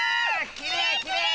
きれいきれい！